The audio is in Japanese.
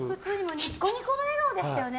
ニコニコの笑顔でしたよね。